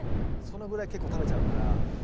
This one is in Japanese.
そのぐらい結構食べちゃうから。